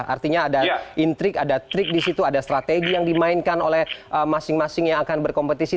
artinya ada intrik ada trik di situ ada strategi yang dimainkan oleh masing masing yang akan berkompetisi